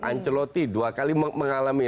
ancelotti dua kali mengalami